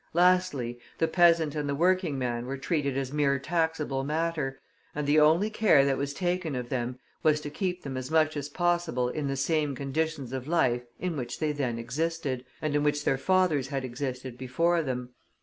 Lastly, the peasant and the working man were treated as mere taxable matter, and the only care that was taken of them was to keep them as much as possible in the same conditions of life in which they then existed, and in which their fathers had existed before them.